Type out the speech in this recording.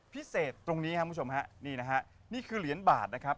พิเศษตรงนี้ครับมุชมนี่คือเหรียญบาทนะครับ